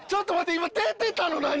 今出てたの何？